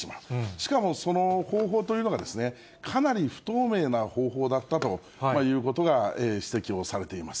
しかもその方法というのが、かなり不透明な方法だったということが指摘をされています。